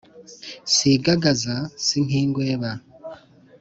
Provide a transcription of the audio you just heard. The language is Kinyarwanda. sigagaza si nk’ingweba